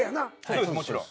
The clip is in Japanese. そうですもちろん。